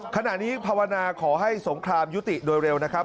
ขณะนี้ภาวนาขอให้สงครามยุติโดยเร็วนะครับ